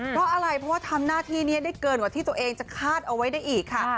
เพราะอะไรเพราะว่าทำหน้าที่นี้ได้เกินกว่าที่ตัวเองจะคาดเอาไว้ได้อีกค่ะ